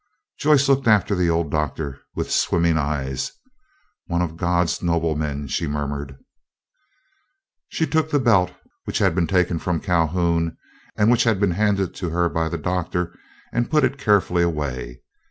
Joyce looked after the old Doctor with swimming eyes. "One of God's noblemen," she murmured. She took the belt which had been taken from Calhoun, and which had been handed her by the Doctor, and put it carefully away.